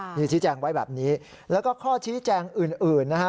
นี่ชี้แจงไว้แบบนี้แล้วก็ข้อชี้แจงอื่นนะฮะ